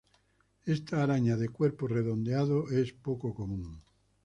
Esta araña de cuerpo redondeado es poco común.